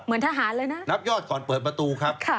เหมือนทหารเลยนะนับยอดก่อนเปิดประตูครับ